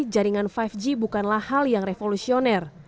jaringan lima g bukanlah hal yang revolusioner